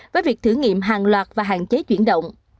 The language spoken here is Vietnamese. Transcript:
với việc thử nghiệm hàng loạt và hạn chế chuyển động